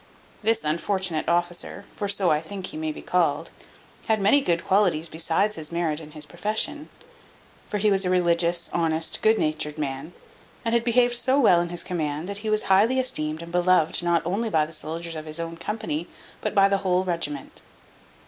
This unfortunate officer (for so I think he may be called) had many good qualities besides his merit in his profession; for he was a religious, honest, good natured man; and had behaved so well in his command, that he was highly esteemed and beloved not only by the soldiers of his own company, but by the whole regiment.